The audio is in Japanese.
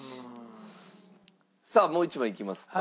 さあもう１枚いきますか。